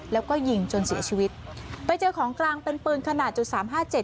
แล้วก็ยิงจนเสียชีวิตไปเจอของกลางเป็นปืนขนาดจุดสามห้าเจ็ด